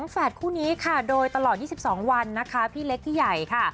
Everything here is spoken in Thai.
แฝดคู่นี้ค่ะโดยตลอด๒๒วันนะคะพี่เล็กพี่ใหญ่ค่ะ